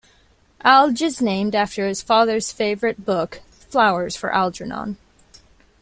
Alge is named after his father's favorite book, "Flowers for Algernon".